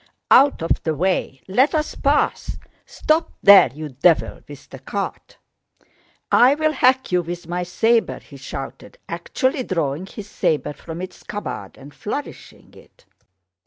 Out of the way!... Let us pass!... Stop there, you devil with the cart! I'll hack you with my saber!" he shouted, actually drawing his saber from its scabbard and flourishing it.